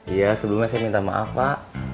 iya sebelumnya saya minta maaf pak